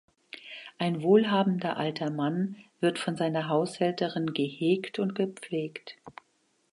Ein wohlhabender alter Mann wird von seiner Haushälterin gehegt und gepflegt.